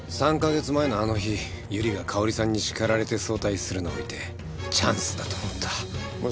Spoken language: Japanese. ３カ月前のあの日百合が香織さんに叱られて早退するのを見てチャンスだと思った。